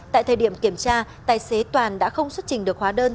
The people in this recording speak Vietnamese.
tại thời điểm kiểm tra tài xế toàn đã không xuất trình được hóa đơn